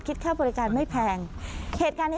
ขอปิดแมนก่อน